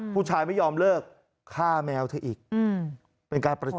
ผู้ชายไม่ยอมเลิกฆ่าแมวเธออีกเป็นการประชุม